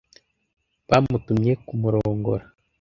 Bamutumye kumurongora.